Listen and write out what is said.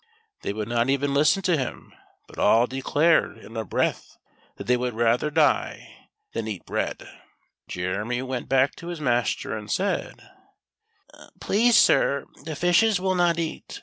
Tl.ey would not even listen to him, but all declared in a breath that they would die rather than eat bread. Jeremy went back to his master and said :" Please, sir, the fishes will not eat.